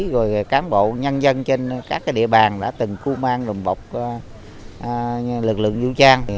rồi cán bộ nhân dân trên các địa bàn đã từng cung an đồng bọc lực lượng vũ trang